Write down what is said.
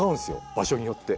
場所によって。